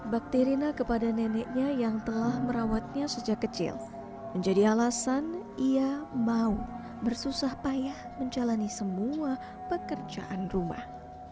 bakterina kepada neneknya yang telah merawatnya sejak kecil menjadi alasan ia mau bersusah payah menjalani semua pekerjaan rumah